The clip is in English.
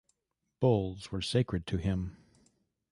Bulls were sacred to him.